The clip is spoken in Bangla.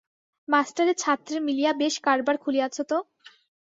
মাস্টারে ছাত্রে মিলিয়া বেশ কারবার খুলিয়াছ তো।